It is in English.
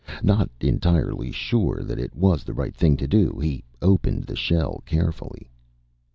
Not entirely sure that it was the right thing to do, he opened the shell carefully.